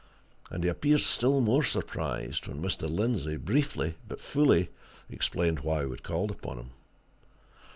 And he appeared still more surprised when Mr. Lindsey, briefly, but fully, explained why we had called upon him.